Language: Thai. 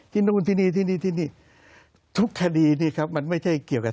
นู่นที่นี่ที่นี่ที่นี่ทุกคดีนี่ครับมันไม่ใช่เกี่ยวกับ